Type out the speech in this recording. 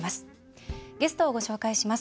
ゲストをご紹介します。